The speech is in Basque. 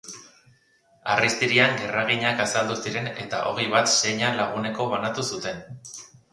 Arrastirian gerraginak azaldu ziren, eta ogi bat seina laguneko banatu zuten.